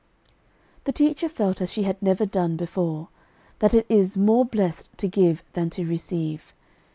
The teacher felt as she had never done before, that it is "more blessed to give than to receive."